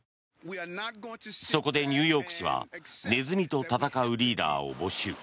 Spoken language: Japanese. そこでニューヨーク市はネズミと戦うリーダーを募集。